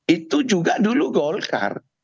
itu juga dulu golkar